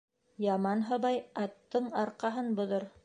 Яман һыбай аттың арҡаһын боҙор.